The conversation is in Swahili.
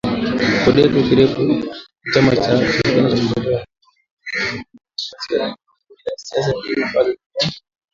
KODEKO kirefu chake ni chama cha ushirika ya maendeleo ya Kongo ni kundi la kisiasa na kidini ambalo linadai linawakilisha maslahi ya kabila la walendu